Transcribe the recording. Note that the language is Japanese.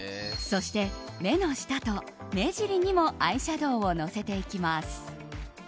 そして、目の下と目尻にもアイシャドーをのせていきます。